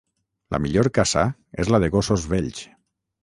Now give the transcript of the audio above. La millor caça és la de gossos vells.